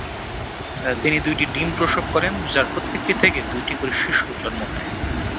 তিনি দুইটি ডিম প্রসব করেন, যার প্রত্যেকটি থেকে দুইটি করে শিশু জন্ম নেয়।